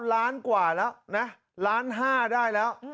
ล้านกว่าแล้วล้านห้าน่อนได้แล้ว